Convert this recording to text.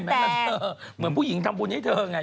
เหมือนผู้หญิงทำบุญให้เธอไง